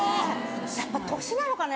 やっぱ年なのかね。